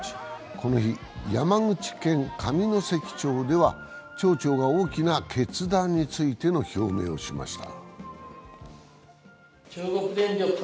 この日、山口県上関町では、町長が大きな決断についての表明をしました。